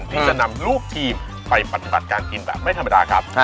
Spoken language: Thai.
ที่จะนำลูกทีมไปปฏิบัติการกินแบบไม่ธรรมดาครับ